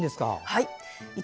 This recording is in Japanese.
はい。